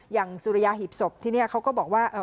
อย่างสุริยาหิบศพที่เนี้ยเขาก็บอกว่าเอ่อ